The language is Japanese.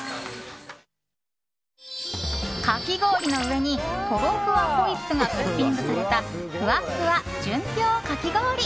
かき氷の上にとろふわホイップがトッピングされたふわふわ純氷かき氷。